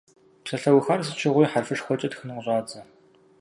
Псалъэухар сыт щыгъуи хьэрфышхуэкӏэ тхын къыщӏадзэ.